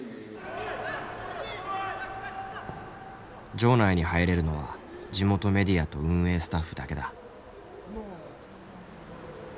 場内に入れるのは地元メディアと運営スタッフだけだ。